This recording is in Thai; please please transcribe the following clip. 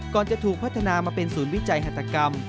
จะถูกพัฒนามาเป็นศูนย์วิจัยหัตกรรม